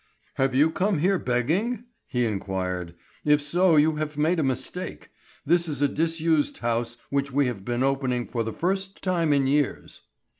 "Have you come here begging?" he inquired. "If so you have made a mistake; this is a disused house which we have been opening for the first time in years."